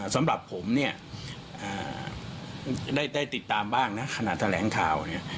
สำหรับผมเนี่ยได้ติดตามบ้างนะขณะแถลงข่าวเนี่ย